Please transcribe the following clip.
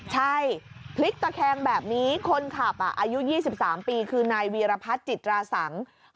ใช่พลิกตะแคงแบบนี้คนขับอายุ๒๓ปีคือนายวีรพัฒน์จิตราสัง